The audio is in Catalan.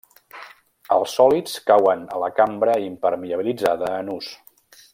Els sòlids cauen a la cambra impermeabilitzada en ús.